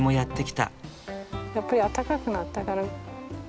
やっぱり暖かくなったから。